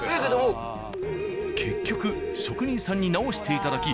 結局職人さんに直していただき。